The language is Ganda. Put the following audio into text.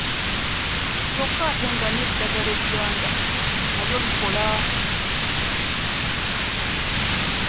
Kyokka ate ng'eddagala egganda nalyo likola.